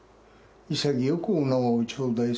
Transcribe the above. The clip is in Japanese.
潔くお縄を頂戴する。